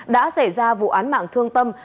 đã xảy ra vụ án mạng thương tâm